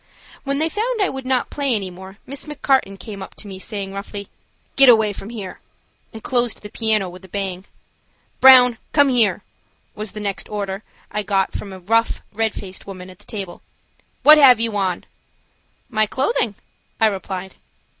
When they found I would not play any more, Miss McCarten came up to me saying, roughly: "Get away from here," and closed the piano with a bang. "Brown, come here," was the next order I got from a rough, red faced woman at the table. "What have you on?" "My clothing," I replied.